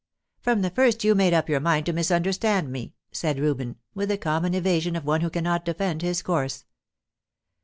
"From the first you made up your mind to misunderstand me," said Reuben, with the common evasion of one who cannot defend his course.